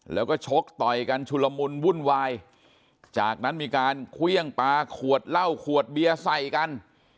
แล้วก็ชกต่อยกันชุลมุนวุ่นวายจากนั้นมีการเครื่องปลาขวดเหล้าขวดเบียร์ใส่กัน